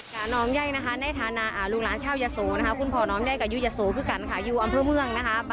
เป็นยังไงน้องบอกอยากมาร่วมงานทุกปีเลยนะฮะ